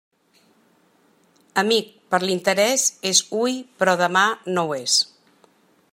Amic per l'interés, és hui però demà no ho és.